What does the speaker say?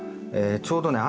ちょうどね